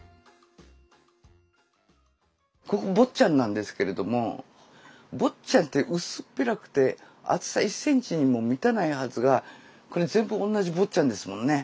ここ「坊っちゃん」なんですけれども「坊っちゃん」って薄っぺらくて厚さ１センチにも満たないはずがこれ全部同じ「坊っちゃん」ですもんね。